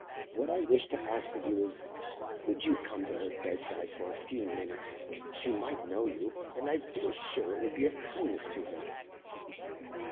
What I wish to ask of you is, would you come to her bedside for a few minutes? She might know you, and I feel sure it would be a kindness to her.